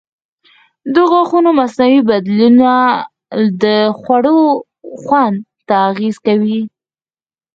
د غاښونو مصنوعي بدیلونه د خوړو خوند ته اغېز کوي.